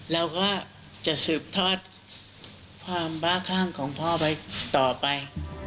เราก็จะสืบทอดความบ้าข้างของพ่อไปต่อไป